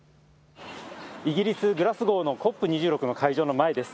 イギリス・グラスゴーのＣＯＰ２６の会場の前です。